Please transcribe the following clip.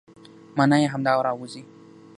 مانا يې همدا راوځي،